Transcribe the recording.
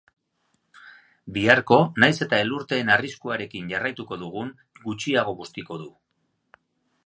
Biharko, nahiz eta elurteen arriskuarekin jarraituko dugun, gutxiago bustiko du.